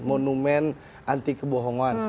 monumen anti kebohongan